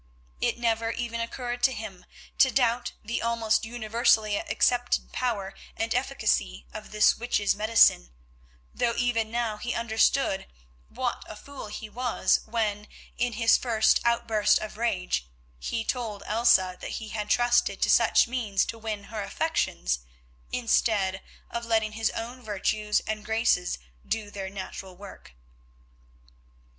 It never even occurred to him to doubt the almost universally accepted power and efficacy of this witch's medicine, though even now he understood what a fool he was when, in his first outburst of rage, he told Elsa that he had trusted to such means to win her affections, instead of letting his own virtues and graces do their natural work.